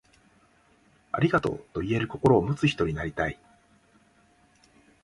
ありがとう、と言える心を持つ人になりたい。